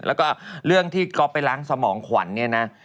แล้วก็เรื่องที่ก๊อฟไปล้างสมองขวัญเนี่ยนะ